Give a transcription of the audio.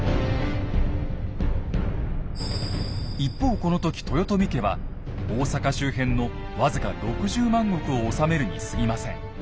一方この時豊臣家は大坂周辺の僅か６０万石を治めるにすぎません。